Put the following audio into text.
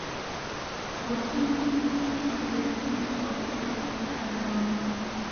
Mortain is the seat of a canton.